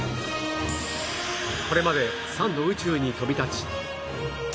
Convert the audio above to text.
これまで３度宇宙に飛び立ち